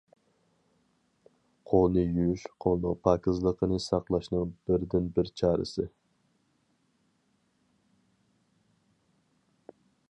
قولنى يۇيۇش قولنىڭ پاكىزلىقىنى ساقلاشنىڭ بىردىنبىر چارىسى.